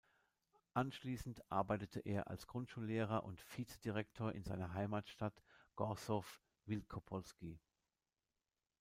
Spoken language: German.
Anschließend arbeitete er als Grundschullehrer und Vizedirektor in seiner Heimatstadt Gorzów Wielkopolski.